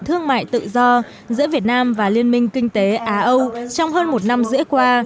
thương mại tự do giữa việt nam và liên minh kinh tế á âu trong hơn một năm rễ qua